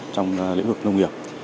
trong lĩnh vực nông nghiệp